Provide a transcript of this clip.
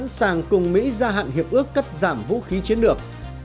sẵn sàng cùng mỹ gia hạn hiệp ước cắt giảm vũ khí chiến lược